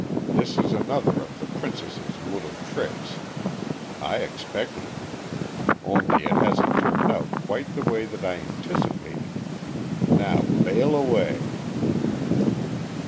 This is another of the princess's little tricks. I expected it. Only it hasn't turned out quite in the way that I anticipated. Now, bail away."